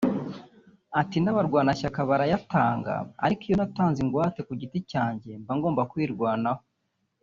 Ati “N’abarwanashyaka barayatanga ariko iyo natanze ingwate ku giti cyanjye mba ngombwa kwirwanaho